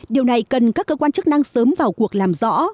điều này cần các cơ quan chức năng sớm vào cuộc làm rõ